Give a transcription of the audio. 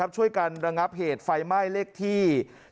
ช่วยกันระงับเหตุไฟไหม้เลขที่